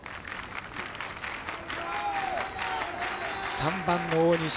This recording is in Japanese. ３番の大西。